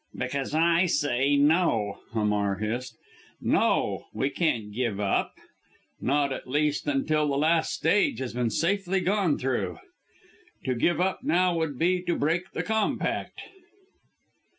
"Because I say no!" Hamar hissed. "No! We can't give up not, at least, until the last stage has been safely gone through. To give up now would be to break the compact!"